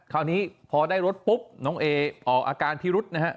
คราวนี้พอได้รถปุ๊บน้องเอออกอาการพิรุษนะฮะ